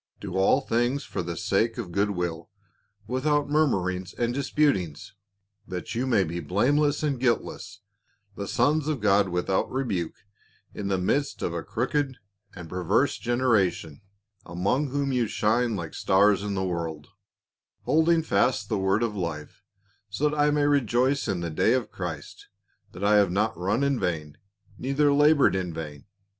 Do all things for the sake of goodwill, without murmurings and disputings, that you may be blameless and guiltless, the sons of God without rebuke in the midst of a crooked and perverse gener ation, among whom ye shine like stars in the world ; holding fast the word of life, so that I may rejoice in the day of Christ, that: I have not run in vain neither labored in vain.